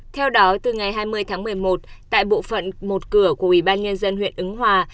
theo đó từ ngày hai mươi tháng một mươi một tại bộ phận một cửa của ủy ban nhân dân huyện ứng hòa